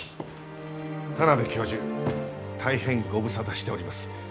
田邊教授大変ご無沙汰しております。